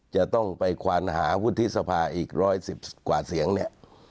จะต้องไปควานหาวุฒิสภาอีก๑๑๐กว่าเสียงเนี่ย